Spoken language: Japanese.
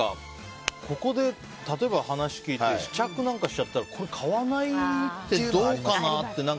ここで例えば話を聞いて試着なんかしちゃったらこれ、買わないってどうかな？って。